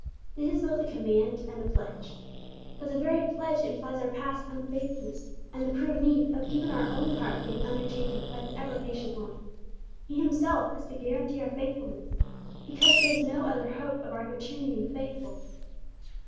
This is both a command and a pledge. But the very pledge implies our past unfaithfulness, and the proved need of even our own part being undertaken by the ever patient Lord. He Himself has to guarantee our faithfulness, because there is no other hope of our continuing faithful.